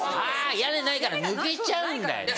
屋根ないから抜けちゃうんだよね。